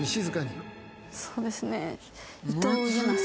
そうですね。